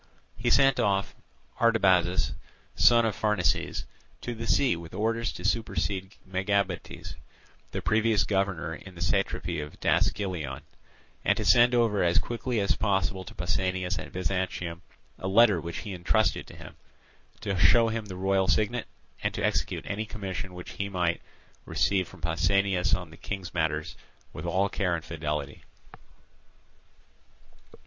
He sent off Artabazus, son of Pharnaces, to the sea with orders to supersede Megabates, the previous governor in the satrapy of Daskylion, and to send over as quickly as possible to Pausanias at Byzantium a letter which he entrusted to him; to show him the royal signet, and to execute any commission which he might receive from Pausanias on the King's matters with all care and fidelity.